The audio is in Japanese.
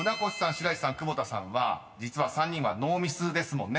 白石さん久保田さんは実は３人はノーミスですもんね